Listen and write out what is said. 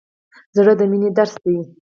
زړه د مینې درس دی.